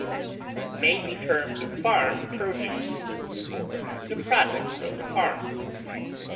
may be termed farm produce, or the products of the farm.